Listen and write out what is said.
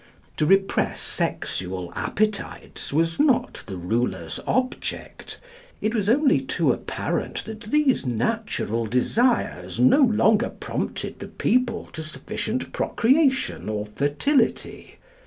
To repress sexual appetites was not the ruler's object. It was only too apparent that these natural desires no longer prompted the people to sufficient procreation or fertility.